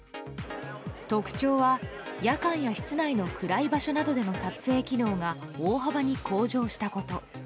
特徴は夜間や室内の暗い場所などでの撮影機能が大幅に向上したこと。